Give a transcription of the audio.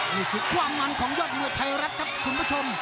นี่คือความมันของยอดมวยไทยรัฐครับคุณผู้ชม